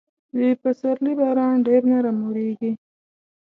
د پسرلي باران ډېر نرم اورېږي.